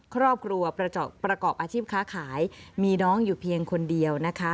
ครอบครัวประกอบอาชีพค้าขายมีน้องอยู่เพียงคนเดียวนะคะ